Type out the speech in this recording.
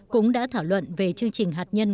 cũng đã thảo luận về chương trình hạt nhân